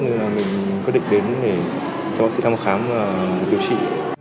mình quyết định đến cho bác sĩ thăm khám và điều trị